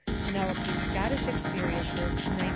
Penelope's Scottish Experiences, 1900.